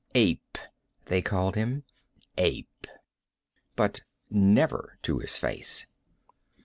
"Ape," they called him. "Ape." But never to his face.